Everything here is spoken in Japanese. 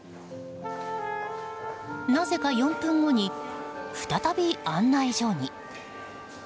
なぜか４分後に再び案内所に。